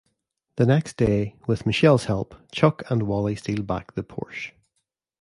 The next day, with Michelle's help, Chuck and Wally steal back the Porsche.